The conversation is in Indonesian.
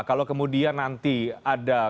kalau kemudian nanti ada